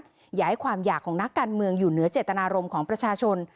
อย่าให้ความอยากของนักการเมืองอยู่เหนือเจตนารมณ์ของประชาชน